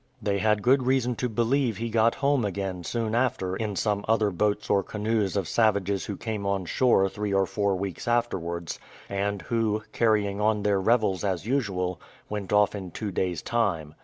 They had good reason to believe he got home again soon after in some other boats or canoes of savages who came on shore three or four weeks afterwards, and who, carrying on their revels as usual, went off in two days' time.